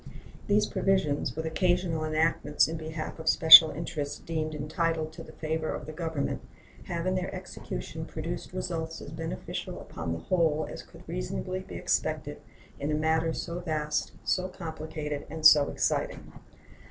These provisions, with occasional enactments in behalf of special interests deemed entitled to the favor of the Government, have in their execution produced results as beneficial upon the whole as could reasonably be expected in a matter so vast, so complicated, and so exciting.